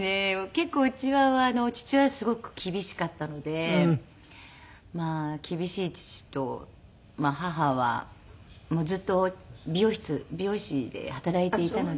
結構うちは父親すごく厳しかったのでまあ厳しい父と母はずっと美容室美容師で働いていたので。